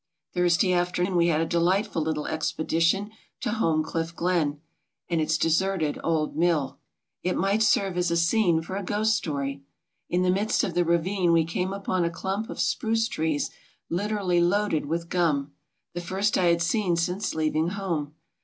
Thursday afternoon we had a delightful litde expedition K) Homecliffe Glen and its desert old mill. It might serve as a scene for a ghost story. In the midst of the ravine we came upon a clump of spruce trees literally loaded with gum, the first I had seen since leaving home.